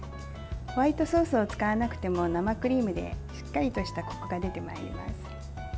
ホワイトソースを使わなくても生クリームで、しっかりとしたこくが出てまいります。